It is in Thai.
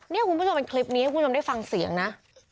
นี่คุณผู้ชมเป็นคลิปนี้ให้คุณผู้ชมได้ฟังเสียงนะ